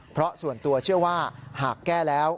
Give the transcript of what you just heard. เพราะส่วนตัวเชื่อว่าหากแก้แล้ว